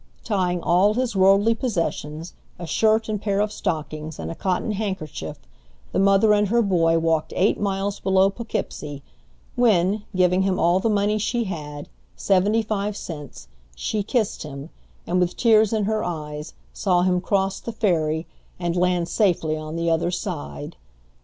Tying all his worldly possessions, a shirt and pair of stockings, in a cotton handkerchief, the mother and her boy walked eight miles below Poughkeepsie, when, giving him all the money she had, seventy five cents, she kissed him, and with tears in her eyes saw him cross the ferry and land safely on the other side.